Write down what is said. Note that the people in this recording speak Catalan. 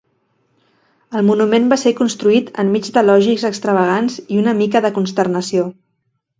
El monument va ser construït enmig d'elogis extravagants i una mica de consternació.